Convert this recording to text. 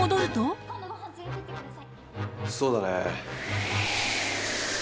そうだね。